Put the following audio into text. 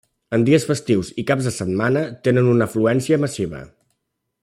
Els dies festius i caps de setmana tenen una afluència massiva.